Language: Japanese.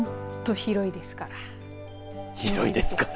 本当、広いですから。